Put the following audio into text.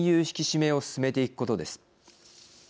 引き締めを進めていくことです。